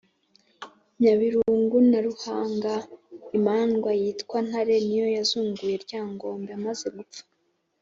Nyabirungu na Ruhanga.Imandwa yitwa Ntare ni yo yazunguye Ryangombe amaze gupfa.